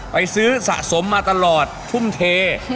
ไปซื้อสะสมมาตลอดทุ่มเท